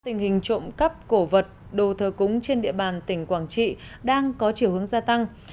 tình hình trộm cắp cổ vật đồ thờ cúng trên địa bàn tỉnh quảng trị đang có chiều hướng gia tăng